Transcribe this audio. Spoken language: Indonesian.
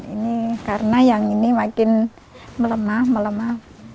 ini karena yang ini makin melemah melemah